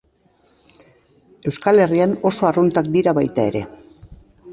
Euskal Herrian oso arruntak dira baita ere.